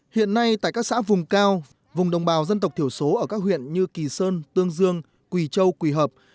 hiện nay tại các xã vùng cao vùng đồng bào dân tộc thiểu số ở các huyện như kỳ sơn tương dương quỳ châu quỳ hợp